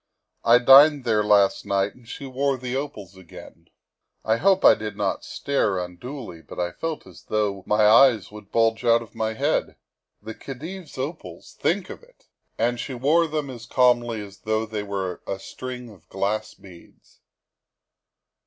I dined there last night and she wore the opals again. I hope I did not 138 THE WIFE OF stare unduly, but I felt as though my eyes would bulge out of my head. The Khedive's opals. Think of it! And she wore them as calmly as though they were a string of glass beads.